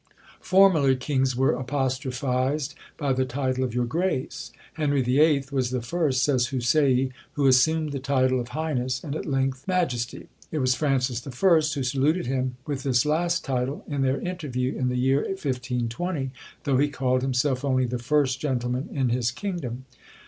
Formerly kings were apostrophised by the title of your grace. Henry VIII. was the first, says Houssaie, who assumed the title of highness; and at length majesty. It was Francis I. who saluted him with this last title, in their interview in the year 1520, though he called himself only the first gentleman in his kingdom!